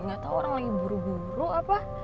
gak tau orang lagi buru buru apa